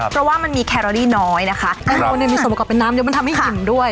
เพราะว่ามันมีแครอรี่น้อยนะคะแตงโมเนี่ยมีส่วนประกอบเป็นน้ำเยอะมันทำให้อิ่มด้วย